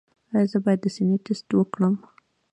ایا زه باید د سینې ټسټ وکړم؟